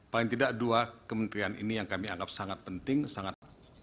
paling tidak dua kementerian ini yang kami anggap sangat penting sangat